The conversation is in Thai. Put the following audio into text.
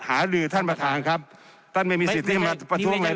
หาลือท่านประธานครับท่านไม่มีสิทธิ์ที่มาประท้วงอะไร